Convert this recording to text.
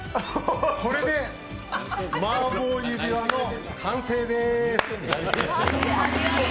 これでマーボー指輪の完成です。